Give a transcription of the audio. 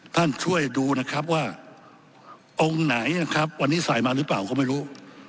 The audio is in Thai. ท่านช่วยดูนะครับว่าองค์ไหนนะครับวันนี้ใส่มาหรือเปล่าก็ไม่รู้